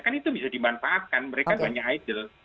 kan itu bisa dimanfaatkan mereka banyak idle